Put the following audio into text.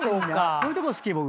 こういうとこ好き僕。